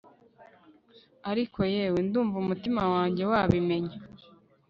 ariko yewe ndumva umutima wanjye wabimenya